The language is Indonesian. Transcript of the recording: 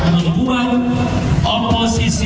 mengeluhan oposisi permanen melawan rezim politik dinasti